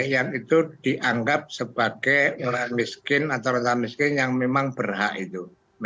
yang itu dianggap sebagai orang miskin atau orang miskin yang memang berhak itu